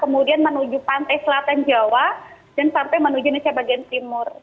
kemudian menuju pantai selatan jawa dan sampai menuju indonesia bagian timur